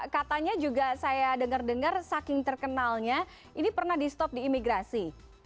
katanya juga saya dengar dengar saking terkenalnya ini pernah di stop di imigrasi